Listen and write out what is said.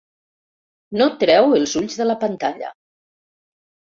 No treu els ulls de la pantalla.